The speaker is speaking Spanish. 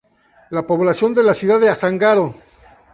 La población de la ciudad de Azángaro.